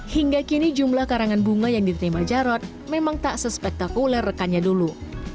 hingga kini jumlah karangan bunga yang diterima jarod memang tak sespektakuler rekannya dulu